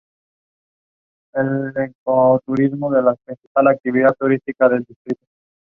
An increasing number of international students are attending pre-university courses at Canadian high schools.